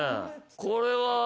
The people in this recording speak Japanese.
これは。